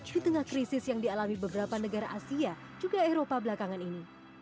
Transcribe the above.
di tengah krisis yang dialami beberapa negara asia juga eropa belakangan ini